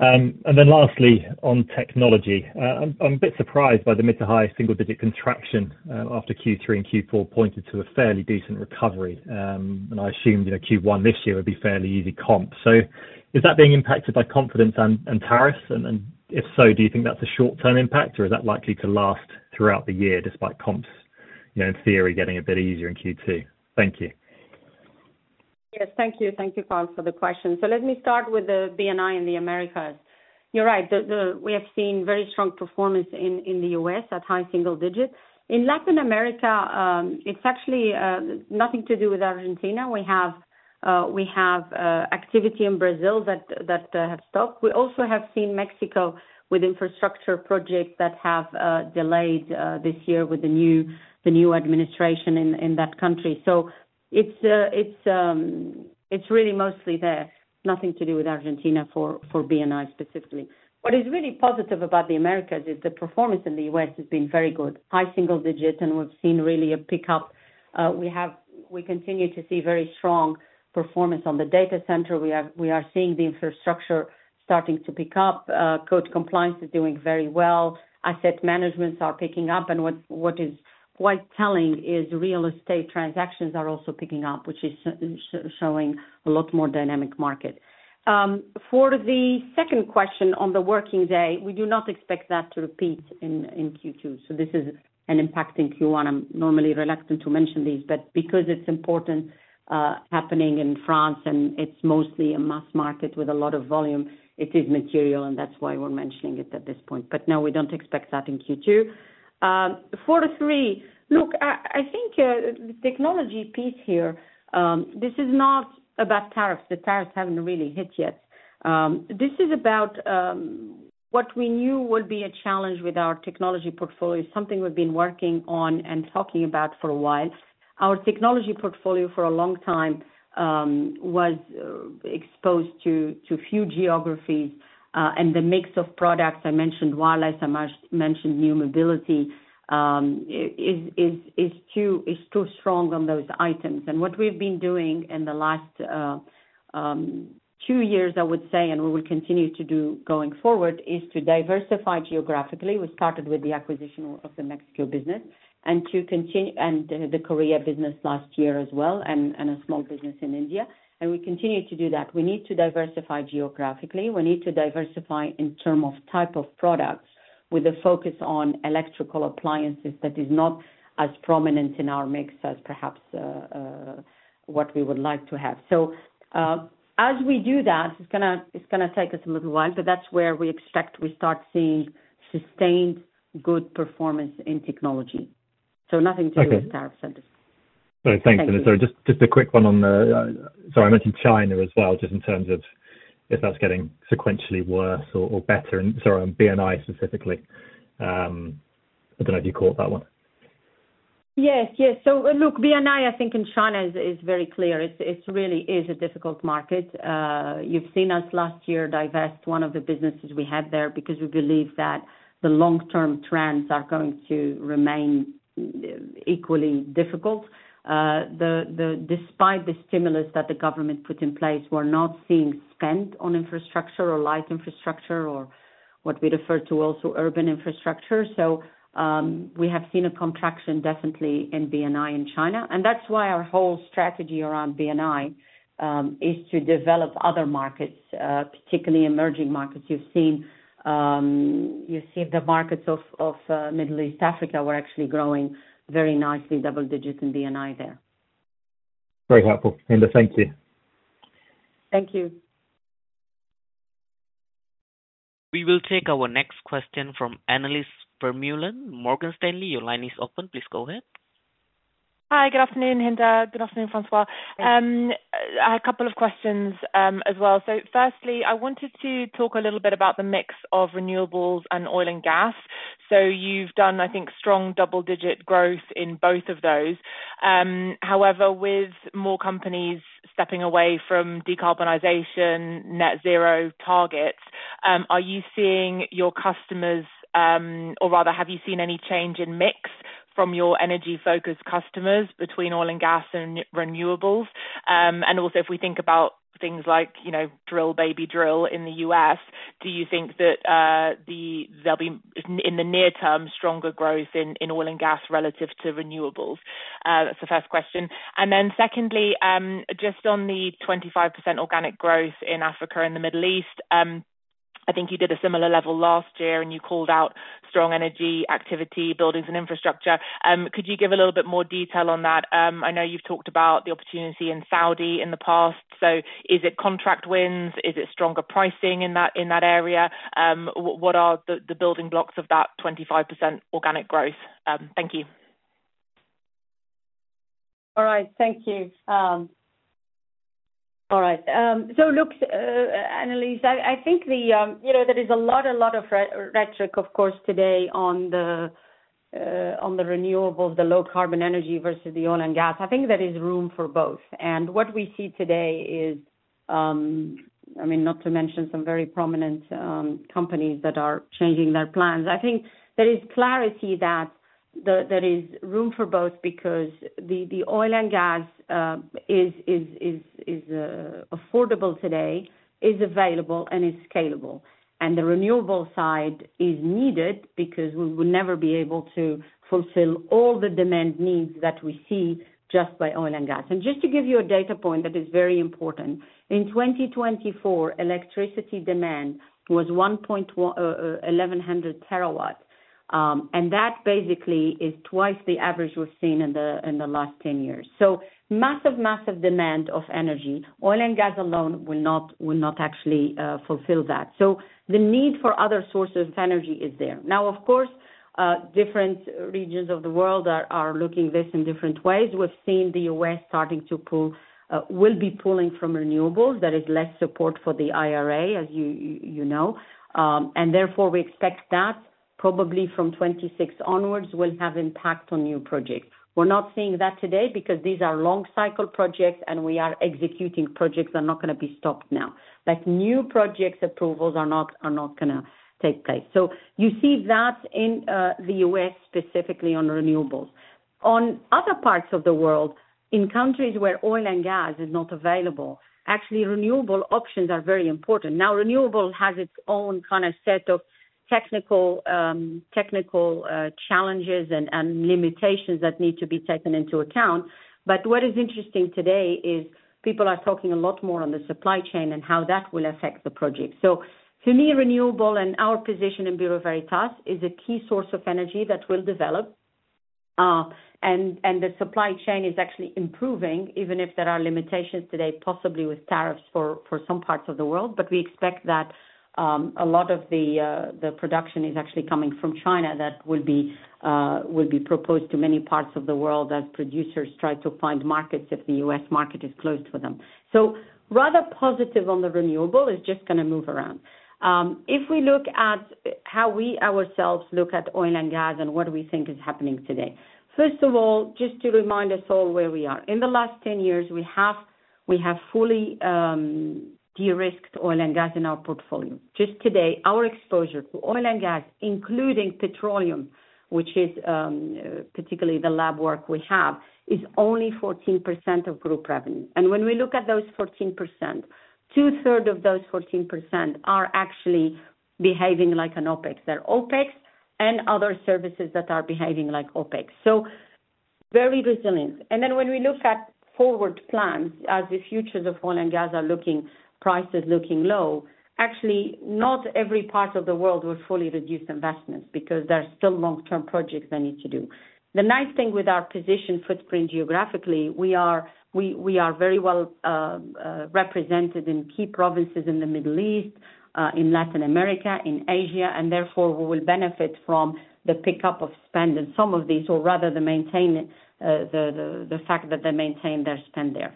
Lastly, on technology, I'm a bit surprised by the mid to high single digit contraction after Q3 and Q4 pointed to a fairly decent recovery. I assumed Q1 this year would be fairly easy comps. Is that being impacted by confidence and tariffs? If so, do you think that's a short-term impact, or is that likely to last throughout the year despite comps, in theory, getting a bit easier in Q2? Thank you. Yes, thank you. Thank you, Carl, for the question. Let me start with the BNI and the Americas. You're right. We have seen very strong performance in the U.S. at high single digit. In Latin America, it's actually nothing to do with Argentina. We have activity in Brazil that have stopped. We also have seen Mexico with infrastructure projects that have delayed this year with the new administration in that country. It's really mostly there. Nothing to do with Argentina for BNI specifically. What is really positive about the Americas is the performance in the U.S. has been very good, high single digit, and we've seen really a pickup. We continue to see very strong performance on the Data Center. We are seeing the Infrastructure starting to pick up. Code compliance is doing very well. Asset management are picking up. What is quite telling is real estate transactions are also picking up, which is showing a lot more dynamic market. For the second question on the working day, we do not expect that to repeat in Q2. This is an impact in Q1. I'm normally reluctant to mention these, because it's important happening in France and it's mostly a mass market with a lot of volume, it is material, and that's why we're mentioning it at this point. No, we don't expect that in Q2. For the three, look, I think the technology piece here, this is not about tariffs. The tariffs haven't really hit yet. This is about what we knew would be a challenge with our Technology portfolio, something we've been working on and talking about for a while. Our Technology portfolio for a long time was exposed to few geographies, and the mix of products I mentioned, wireless, I mentioned new mobility, is too strong on those items. What we've been doing in the last two years, I would say, and we will continue to do going forward, is to diversify geographically. We started with the acquisition of the Mexico business and the Korea business last year as well, and a small business in India. We continue to do that. We need to diversify geographically. We need to diversify in terms of type of products with a focus on electrical appliances that is not as prominent in our mix as perhaps what we would like to have. As we do that, it's going to take us a little while, but that's where we expect we start seeing sustained good performance in technology. Nothing to do with tariff centers. Thanks, Hinda. Sorry, just a quick one on the—sorry, I mentioned China as well, just in terms of if that's getting sequentially worse or better. Sorry, on BNI specifically. I do not know if you caught that one. Yes, yes. Look, BNI, I think in China is very clear. It really is a difficult market. You have seen us last year divest one of the businesses we had there because we believe that the long-term trends are going to remain equally difficult. Despite the stimulus that the government put in place, we are not seeing spend on infrastructure or light infrastructure or what we refer to also as urban infrastructure. We have seen a contraction definitely in BNI in China. That is why our whole strategy around BNI is to develop other markets, particularly emerging markets. You have seen the markets of Middle East, Africa were actually growing very nicely, double digits in BNI there. Very helpful. Hinda, thank you. Thank you. We will take our next question from Annelies Vermeulen, Morgan Stanley. Your line is open. Please go ahead. Hi, good afternoon, Hinda. Good afternoon, François. I have a couple of questions as well. Firstly, I wanted to talk a little bit about the mix of Renewables and Oil & Gas. You have done, I think, strong double-digit growth in both of those. However, with more companies stepping away from decarbonization, net zero targets, are you seeing your customers, or rather, have you seen any change in mix from your energy-focused customers between Oil & Gas and Renewables? Also, if we think about things like drill, baby drill in the U.S., do you think that there'll be, in the near term, stronger growth in Oil & Gas relative to Renewables? That's the first question. Secondly, just on the 25% organic growth in Africa and the Middle East, I think you did a similar level last year, and you called out strong energy activity, buildings, and infrastructure. Could you give a little bit more detail on that? I know you've talked about the opportunity in Saudi in the past. Is it contract wins? Is it stronger pricing in that area? What are the building blocks of that 25% organic growth? Thank you. All right. Thank you. All right. Look, Annelies, I think there is a lot of rhetoric, of course, today on the renewables, the low-carbon energy versus the oil and gas. I think there is room for both. What we see today is, I mean, not to mention some very prominent companies that are changing their plans. I think there is clarity that there is room for both because the oil and gas is affordable today, is available, and is scalable. The renewable side is needed because we would never be able to fulfill all the demand needs that we see just by oil and gas. Just to give you a data point that is very important, in 2024, electricity demand was 1,100Tw. That basically is twice the average we've seen in the last 10 years. Massive, massive demand of energy. Oil and gas alone will not actually fulfill that. The need for other sources of energy is there. Of course, different regions of the world are looking at this in different ways. We've seen the U.S. starting to pull, will be pulling from renewables. There is less support for the IRA, as you know. Therefore, we expect that probably from 2026 onwards will have impact on new projects. We're not seeing that today because these are long-cycle projects, and we are executing projects that are not going to be stopped now. New project approvals are not going to take place. You see that in the U.S., specifically on renewables. In other parts of the world, in countries where oil and gas is not available, actually, renewable options are very important. Now, renewable has its own kind of set of technical challenges and limitations that need to be taken into account. What is interesting today is people are talking a lot more on the supply chain and how that will affect the project. To me, renewable and our position in Bureau Veritas is a key source of energy that will develop. The supply chain is actually improving, even if there are limitations today, possibly with tariffs for some parts of the world. We expect that a lot of the production is actually coming from China that will be proposed to many parts of the world as producers try to find markets if the U.S. market is closed for them. Rather positive on the renewable, it is just going to move around. If we look at how we ourselves look at oil and gas and what we think is happening today, first of all, just to remind us all where we are. In the last 10 years, we have fully de-risked oil and gas in our portfolio. Just today, our exposure to oil and gas, including petroleum, which is particularly the lab work we have, is only 14% of group revenue. When we look at those 14%, 2/3 of those 14% are actually behaving like an OpEx. They are OpEx and other services that are behaving like OpEx. Very resilient. When we look at forward plans, as the futures of Oil & Gas are looking, prices looking low, actually, not every part of the world will fully reduce investments because there are still long-term projects they need to do. The nice thing with our position footprint geographically, we are very well represented in key provinces in the Middle East, in Latin America, in Asia. Therefore, we will benefit from the pickup of spend in some of these, or rather, the fact that they maintain their spend there.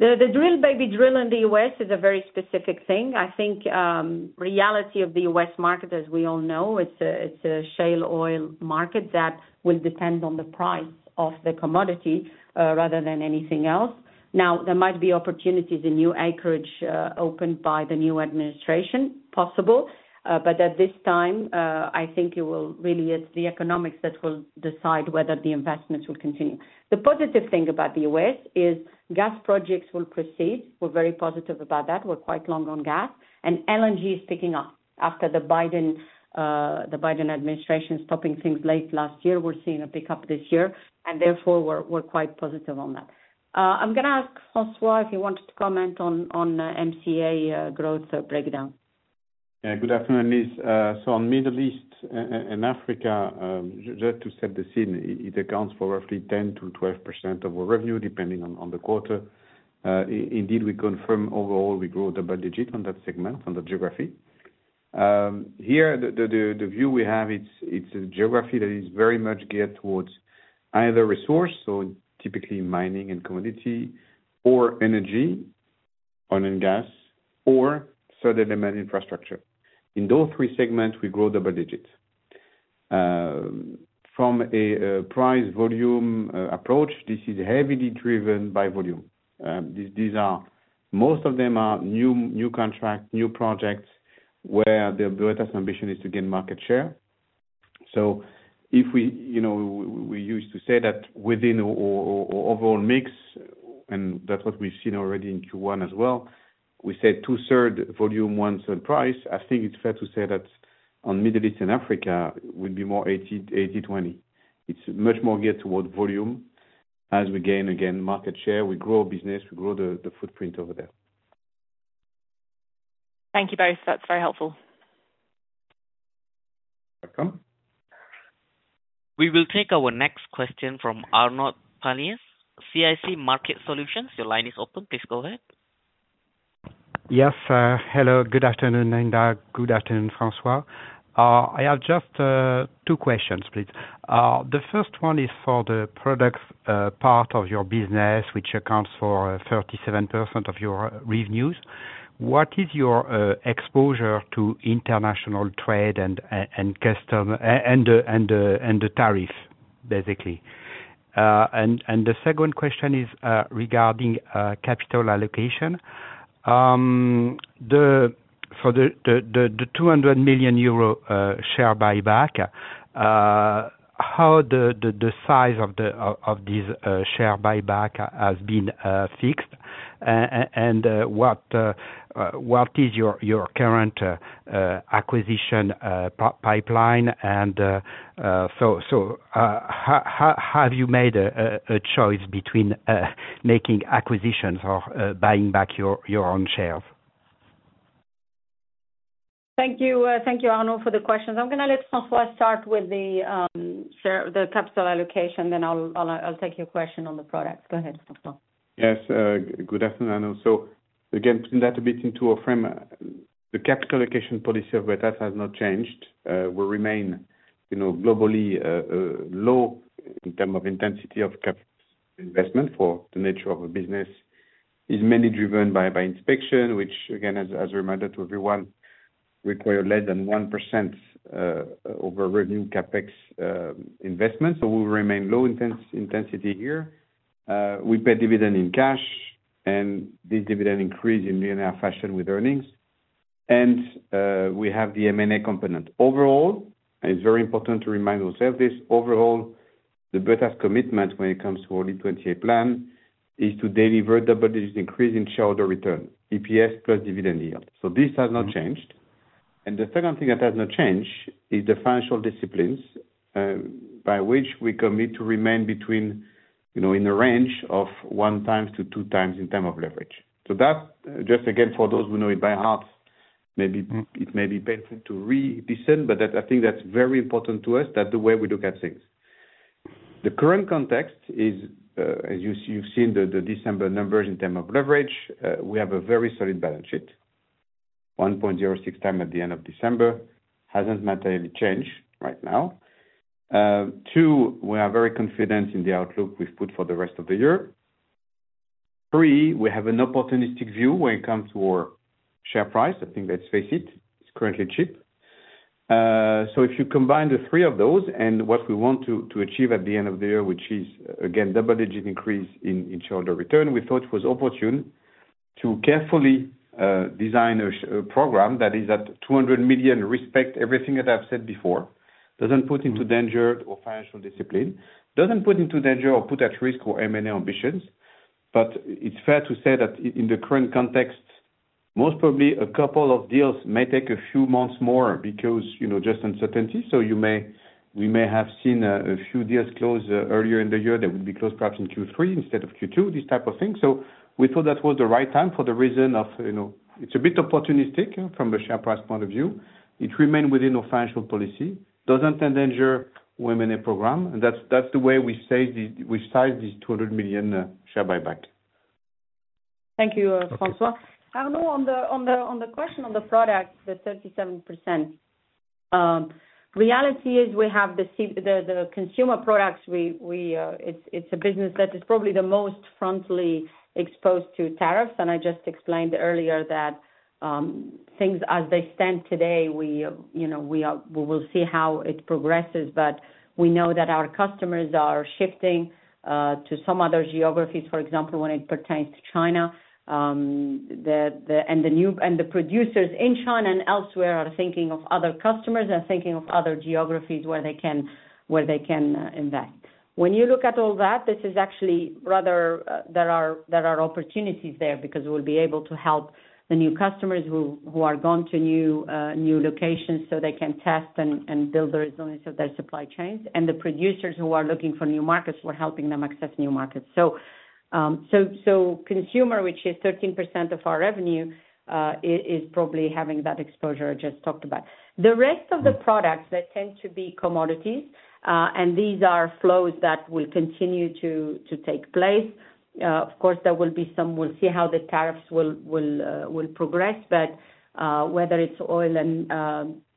The drill, baby drill in the U.S. is a very specific thing. I think reality of the U.S. market, as we all know, it's a shale oil market that will depend on the price of the commodity rather than anything else. Now, there might be opportunities in new acreage opened by the new administration, possible. At this time, I think it will really be the economics that will decide whether the investments will continue. The positive thing about the U.S. is gas projects will proceed. We're very positive about that. We're quite long on gas. LNG is picking up after the Biden administration stopping things late last year. We're seeing a pickup this year. Therefore, we're quite positive on that. I'm going to ask François if you wanted to comment on MCA growth breakdown. Yeah, good afternoon, Annelies. On Middle East and Africa, just to set the scene, it accounts for roughly 10%-12% of our revenue, depending on the quarter. Indeed, we confirm overall we grow double digit on that segment, on the geography. Here, the view we have, it's a geography that is very much geared towards either resource, so typically mining and commodity, or energy, oil and gas, or further demand infrastructure. In those three segments, we grow double digit. From a price volume approach, this is heavily driven by volume. Most of them are new contract, new projects where the Veritas ambition is to gain market share. If we used to say that within our overall mix, and that's what we've seen already in Q1 as well, we said 2/3 volume, 1/3 price. I think it's fair to say that on Middle East and Africa, it would be more 80/20. It's much more geared towards volume. As we gain, again, market share, we grow business, we grow the footprint over there. Thank you both. That's very helpful. Welcome. We will take our next question from Arnaud Palliez, CIC Market Solutions. Your line is open. Please go ahead. Yes. Hello. Good afternoon, Hinda. Good afternoon, François. I have just two questions, please. The first one is for the products part of your business, which accounts for 37% of your revenues. What is your exposure to international trade and customs and the tariff, basically? The second question is regarding capital allocation. For the 200 million euro share buyback, how the size of this share buyback has been fixed? What is your current acquisition pipeline? How have you made a choice between making acquisitions or buying back your own shares? Thank you, Arnaud, for the questions. I'm going to let François start with the capital allocation, then I'll take your question on the products. Go ahead, François. Yes. Good afternoon, Arnaud. Again, putting that a bit into a frame, the capital allocation policy of Veritas has not changed. We remain globally low in terms of intensity of capital investment for the nature of a business. It's mainly driven by inspection, which, as a reminder to everyone, requires less than 1% of our revenue CapEx investment. We remain low intensity here. We pay dividend in cash, and this dividend increases in linear fashion with earnings. We have the M&A component. Overall, it's very important to remind ourselves this. Overall, the Veritas commitment when it comes to our 2028 plan is to deliver double-digit increase in shareholder return, EPS plus dividend yield. This has not changed. The second thing that has not changed is the financial disciplines by which we commit to remain in a range of one times to two times in terms of leverage. Just again, for those who know it by heart, it may be painful to re-listen, but I think that's very important to us, that's the way we look at things. The current context is, as you've seen the December numbers in terms of leverage, we have a very solid balance sheet, 1.06 times at the end of December. It hasn't materially changed right now. We are very confident in the outlook we've put for the rest of the year. Three, we have an opportunistic view when it comes to our share price. I think let's face it, it's currently cheap. If you combine the three of those and what we want to achieve at the end of the year, which is, again, double-digit increase in shareholder return, we thought it was opportune to carefully design a program that is at 200 million, respect everything that I've said before, doesn't put into danger our financial discipline, doesn't put into danger or put at risk our M&A ambitions. It's fair to say that in the current context, most probably a couple of deals may take a few months more because just uncertainty. We may have seen a few deals close earlier in the year that would be closed perhaps in Q3 instead of Q2, these type of things. We thought that was the right time for the reason of it's a bit opportunistic from the share price point of view. It remained within our financial policy, does not endanger our M&A program. That is the way we sized this 200 million share buyback. Thank you, François. Arnaud, on the question on the product, the 37%, reality is we have the consumer products. It is a business that is probably the most frontally exposed to tariffs. I just explained earlier that things as they stand today, we will see how it progresses. We know that our customers are shifting to some other geographies, for example, when it pertains to China. The producers in China and elsewhere are thinking of other customers and thinking of other geographies where they can invest. When you look at all that, this is actually rather there are opportunities there because we'll be able to help the new customers who are going to new locations so they can test and build the resilience of their supply chains. The producers who are looking for new markets, we're helping them access new markets. Consumer, which is 13% of our revenue, is probably having that exposure I just talked about. The rest of the products, they tend to be commodities. These are flows that will continue to take place. Of course, we will see how the tariffs will progress. Whether it's oil and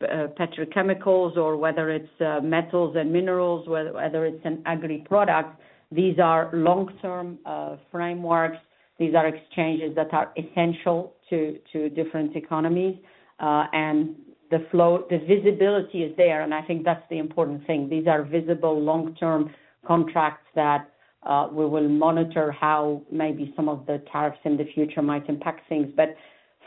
petrochemicals or whether it's metals and minerals, whether it's an agri-product, these are long-term frameworks. These are exchanges that are essential to different economies. The visibility is there. I think that's the important thing. These are visible long-term contracts that we will monitor how maybe some of the tariffs in the future might impact things.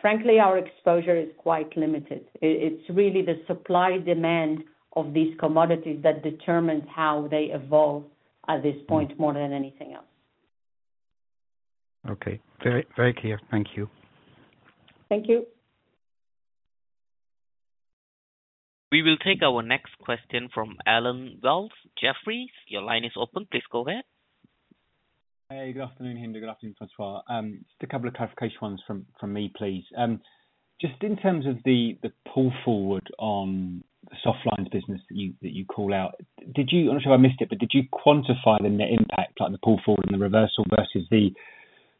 Frankly, our exposure is quite limited. It is really the supply-demand of these commodities that determines how they evolve at this point more than anything else. Okay. Very clear. Thank you. Thank you. We will take our next question from Allen Wells, Jefferies. Your line is open. Please go ahead. Hey, good afternoon, Hinda. Good afternoon, François. Just a couple of clarification ones from me, please. Just in terms of the pull forward on the Softlines business that you call out, I am not sure I missed it, but did you quantify the net impact, the pull forward and the reversal versus the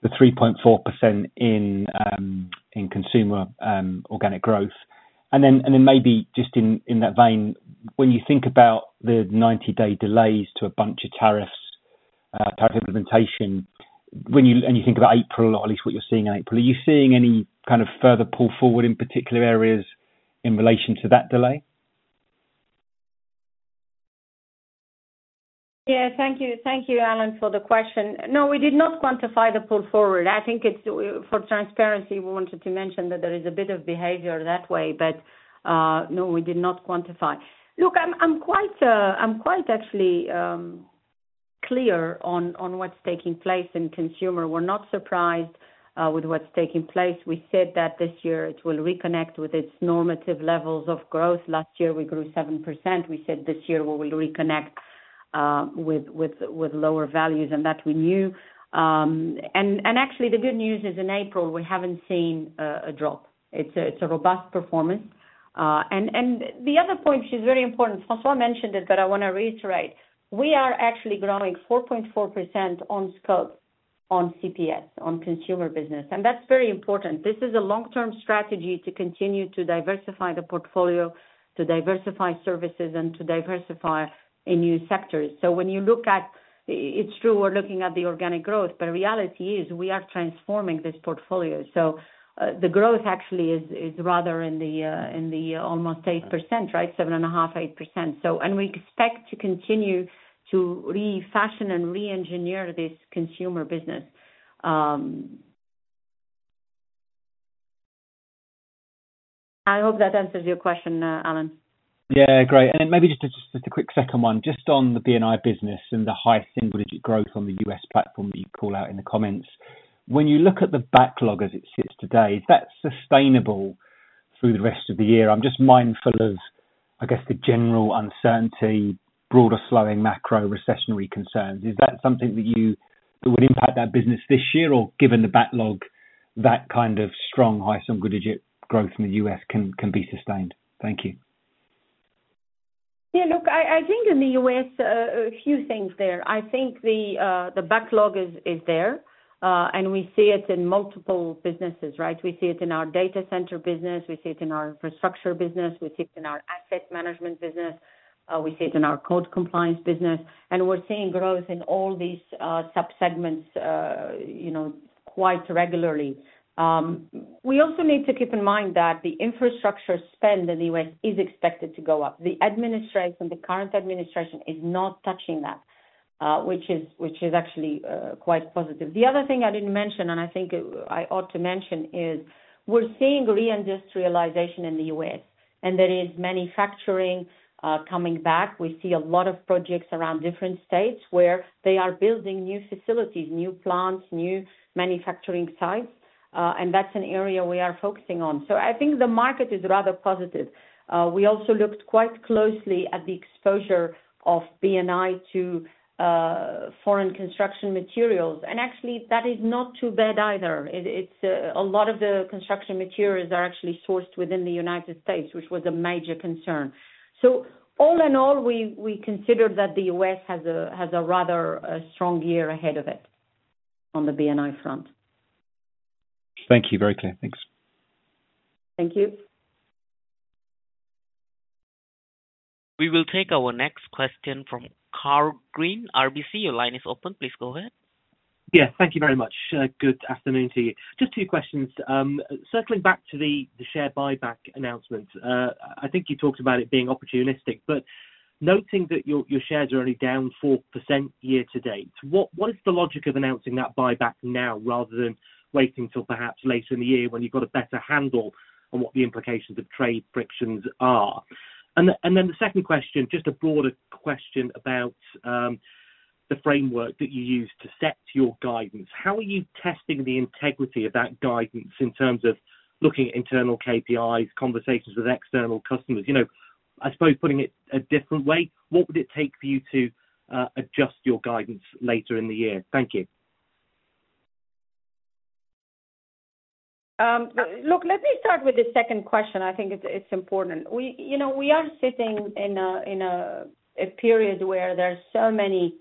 3.4% in consumer organic growth? Maybe just in that vein, when you think about the 90-day delays to a bunch of tariffs, tariff implementation, and you think about April, or at least what you're seeing in April, are you seeing any kind of further pull forward in particular areas in relation to that delay? Yeah. Thank you, Allen, for the question. No, we did not quantify the pull forward. I think for transparency, we wanted to mention that there is a bit of behavior that way. No, we did not quantify. Look, I'm quite actually clear on what's taking place in consumer. We're not surprised with what's taking place. We said that this year it will reconnect with its normative levels of growth. Last year, we grew 7%. We said this year we will reconnect with lower values and that we knew. Actually, the good news is in April, we have not seen a drop. It is a robust performance. The other point, which is very important, François mentioned it, but I want to reiterate. We are actually growing 4.4% on scope on CPS, on consumer business. That is very important. This is a long-term strategy to continue to diversify the portfolio, to diversify services, and to diversify in new sectors. When you look at it, it is true we are looking at the organic growth, but reality is we are transforming this portfolio. The growth actually is rather in the almost 8%, right? 7.5-8%. We expect to continue to refashion and re-engineer this consumer business. I hope that answers your question, Allen. Yeah. Great. Maybe just a quick second one. Just on the BNI business and the high single-digit growth on the U.S. platform that you call out in the comments, when you look at the backlog as it sits today, is that sustainable through the rest of the year? I'm just mindful of, I guess, the general uncertainty, broader slowing, macro recessionary concerns. Is that something that would impact that business this year? Or given the backlog, that kind of strong high single-digit growth in the U.S. can be sustained? Thank you. Yeah. Look, I think in the U.S., a few things there. I think the backlog is there. We see it in multiple businesses, right? We see it in our Data Center business. We see it in our Infrastructure business. We see it in our Asset Management business. We see it in our Code Compliance business. We are seeing growth in all these subsegments quite regularly. We also need to keep in mind that the infrastructure spend in the U.S. is expected to go up. The current administration is not touching that, which is actually quite positive. The other thing I did not mention, and I think I ought to mention, is we are seeing re-industrialization in the U.S. and there is manufacturing coming back. We see a lot of projects around different states where they are building new facilities, new plants, new manufacturing sites. That is an area we are focusing on. I think the market is rather positive. We also looked quite closely at the exposure of BNI to foreign construction materials. Actually, that is not too bad either. A lot of the construction materials are actually sourced within the United States, which was a major concern. All in all, we consider that the U.S. has a rather strong year ahead of it on the BNI front. Thank you. Very clear. Thanks. Thank you. We will take our next question from Karl Green, RBC. Your line is open. Please go ahead. Yes. Thank you very much. Good afternoon to you. Just two questions. Circling back to the share buyback announcement, I think you talked about it being opportunistic, but noting that your shares are only down 4% year to date, what is the logic of announcing that buyback now rather than waiting until perhaps later in the year when you have got a better handle on what the implications of trade frictions are? The second question, just a broader question about the framework that you use to set your guidance. How are you testing the integrity of that guidance in terms of looking at internal KPIs, conversations with external customers? I suppose putting it a different way, what would it take for you to adjust your guidance later in the year? Thank you. Look, let me start with the second question. I think it's important. We are sitting in a period where there are so many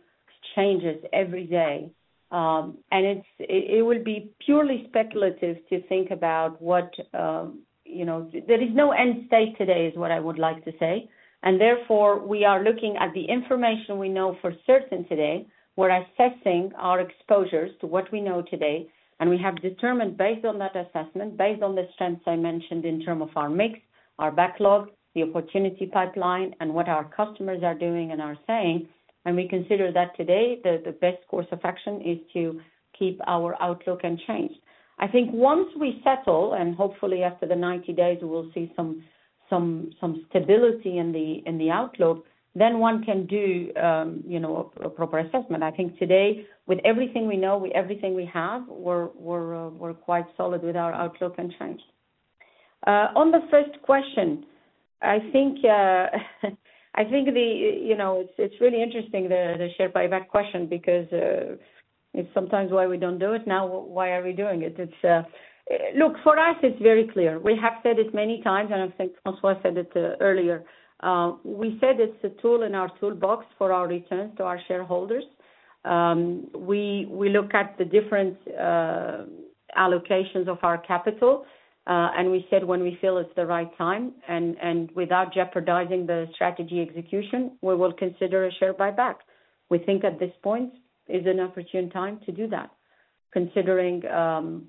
changes every day. It will be purely speculative to think about what there is no end state today is what I would like to say. Therefore, we are looking at the information we know for certain today. We're assessing our exposures to what we know today. We have determined based on that assessment, based on the strengths I mentioned in terms of our mix, our backlog, the opportunity pipeline, and what our customers are doing and are saying. We consider that today the best course of action is to keep our outlook unchanged. I think once we settle, and hopefully after the 90 days, we will see some stability in the outlook, then one can do a proper assessment. I think today, with everything we know, with everything we have, we are quite solid with our outlook unchanged. On the first question, I think it is really interesting, the share buyback question, because it is sometimes why we don't do it. Now, why are we doing it? Look, for us, it is very clear. We have said it many times, and I think François said it earlier. We said it is a tool in our toolbox for our returns to our shareholders. We look at the different allocations of our capital. We said when we feel it is the right time, and without jeopardizing the strategy execution, we will consider a share buyback. We think at this point is an opportune time to do that, considering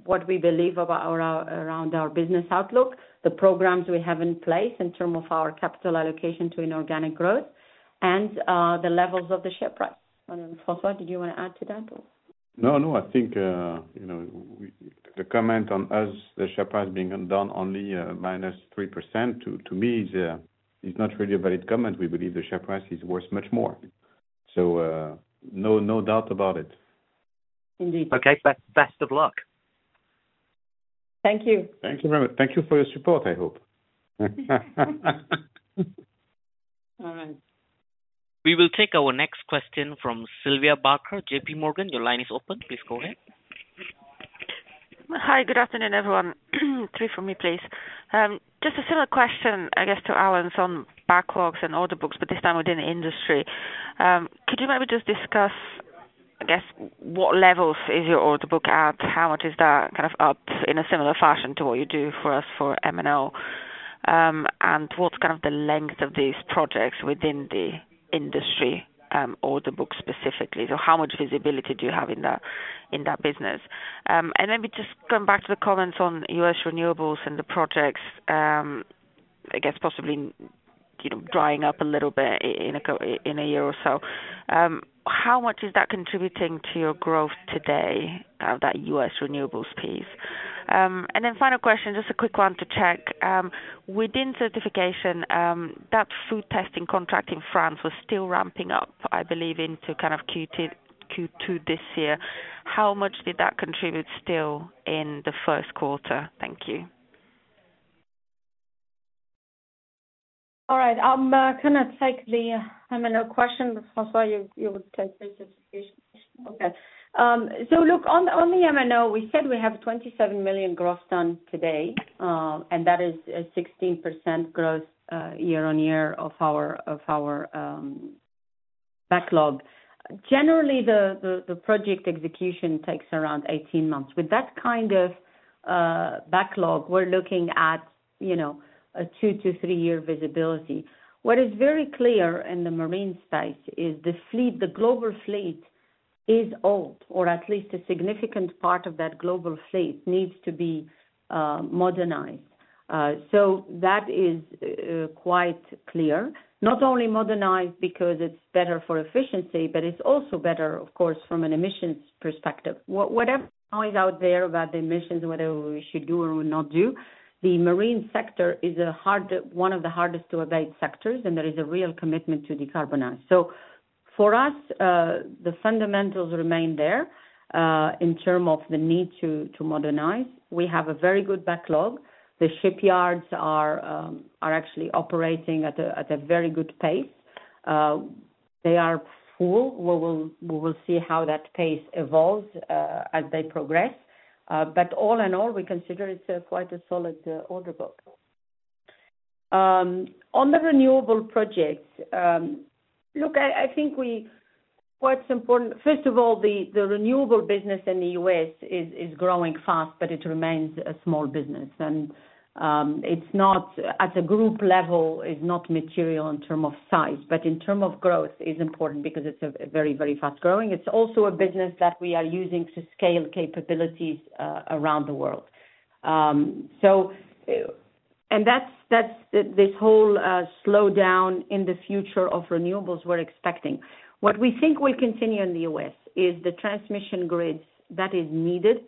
what we believe around our business outlook, the programs we have in place in terms of our capital allocation to inorganic growth, and the levels of the share price. François, did you want to add to that? No, no. I think the comment on us, the share price being down only -3%, to me, is not really a valid comment. We believe the share price is worth much more. No doubt about it. Indeed. Okay. Best of luck. Thank you. Thank you very much. Thank you for your support, I hope. All right. We will take our next question from Sylvia Barker, JPMorgan. Your line is open. Please go ahead. Hi. Good afternoon, everyone. Three for me, please. Just a similar question, I guess, to Allen's on backlogs and order books, but this time within the industry. Could you maybe just discuss, I guess, what levels is your order book at? How much is that kind of up in a similar fashion to what you do for us for M&O? What's kind of the length of these projects within the industry order book specifically? How much visibility do you have in that business? Maybe just going back to the comments on U.S. renewables and the projects, I guess possibly drying up a little bit in a year or so. How much is that contributing to your growth today, that U.S. renewables piece? Final question, just a quick one to check. Within certification, that food testing contract in France was still ramping up, I believe, into kind of Q2 this year. How much did that contribute still in the first quarter? Thank you. All right. I'm going to take the M&A question. François, you would take the certification. Okay. Look, on the M&A, we said we have 27 million growth done today. That is a 16% growth year on year of our backlog. Generally, the project execution takes around 18 months. With that kind of backlog, we are looking at a two to three-year visibility. What is very clear in the marine space is the fleet, the global fleet is old, or at least a significant part of that global fleet needs to be modernized. That is quite clear. Not only modernized because it is better for efficiency, but it is also better, of course, from an emissions perspective. Whatever is out there about the emissions, whether we should do or not do, the marine sector is one of the hardest to abate sectors. There is a real commitment to decarbonize. For us, the fundamentals remain there in terms of the need to modernize. We have a very good backlog. The shipyards are actually operating at a very good pace. They are full. We will see how that pace evolves as they progress. All in all, we consider it is quite a solid order book. On the renewable projects, look, I think what is important, first of all, the renewable business in the U.S. is growing fast, but it remains a small business. At a group level, it is not material in terms of size. In terms of growth, it is important because it is very, very fast growing. It's also a business that we are using to scale capabilities around the world. This whole slowdown in the future of renewables we're expecting. What we think will continue in the U.S. is the transmission grids that are needed,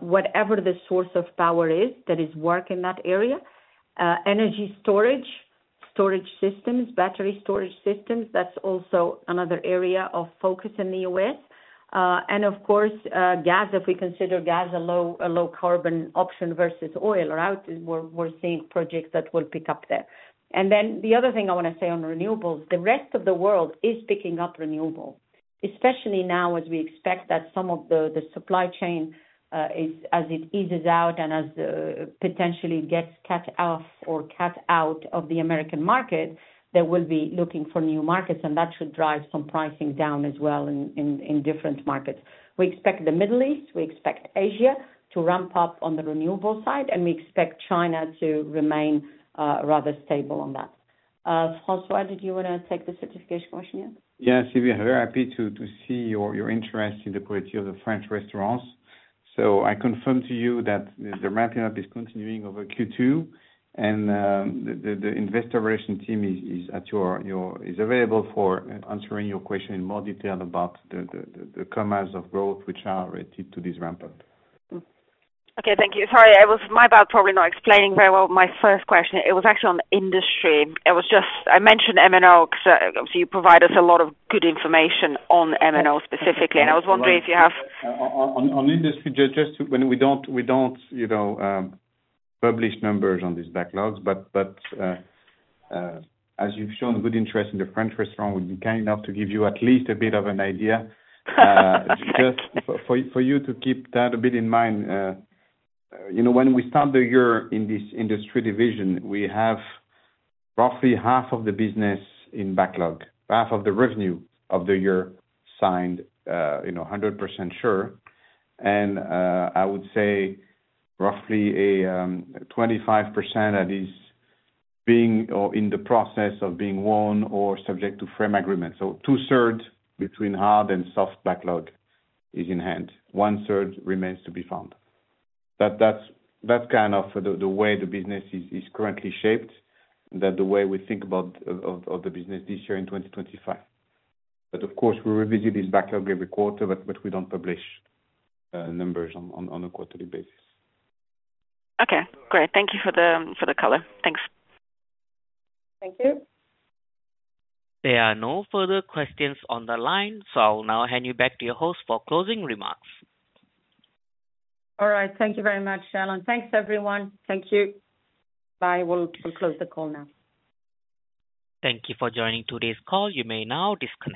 whatever the source of power is that is work in that area, energy storage, storage systems, battery storage systems. That's also another area of focus in the U.S. Of course, gas, if we consider gas a low-carbon option versus oil, right? We're seeing projects that will pick up there. The other thing I want to say on renewables, the rest of the world is picking up renewable, especially now as we expect that some of the supply chain is, as it eases out and as potentially gets cut off or cut out of the American market, there will be looking for new markets. That should drive some pricing down as well in different markets. We expect the Middle East, we expect Asia to ramp up on the renewable side. We expect China to remain rather stable on that. François, did you want to take the certification question yet? Yes. We are very happy to see your interest in the quality of the French restaurants. I confirm to you that the ramping up is continuing over Q2. The Investor Relation team is available for answering your question in more detail about the comp as of growth, which are related to this ramp-up. Okay. Thank you. Sorry. My bad, probably not explaining very well my first question. It was actually on Industry. I mentioned M&A because you provide us a lot of good information on M&A specifically. If you have on industry, just when we do not publish numbers on these backlogs. As you have shown good interest in the French restaurant, we would be kind enough to give you at least a bit of an idea. Just for you to keep that a bit in mind, when we start the year in this Industry division, we have roughly half of the business in backlog, half of the revenue of the year signed, 100% sure. I would say roughly 25% at least being or in the process of being won or subject to frame agreement. Two-thirds between hard and soft backlog is in hand. One-third remains to be found. That is kind of the way the business is currently shaped, the way we think about the business this year in 2025. Of course, we revisit this backlog every quarter, but we do not publish numbers on a quarterly basis. Okay. Great. Thank you for the color. Thanks. Thank you. There are no further questions on the line. I will now hand you back to your host for closing remarks. All right. Thank you very much, Allan. Thanks, everyone. Thank you. Bye. We will close the call now. Thank you for joining today's call. You may now disconnect.